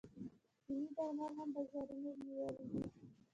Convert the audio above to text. چیني درمل هم بازارونه نیولي دي.